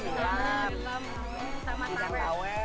ikan ikan kawah